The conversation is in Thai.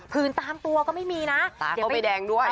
ืนตามตัวก็ไม่มีนะตาก็ไม่แดงด้วย